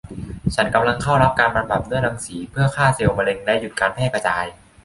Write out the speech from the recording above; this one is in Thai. ฉันกำลังเข้ารับการบำบัดด้วยรังสี เพื่อฆ่าเซลล์มะเร็ง และหยุดการแพร่กระจาย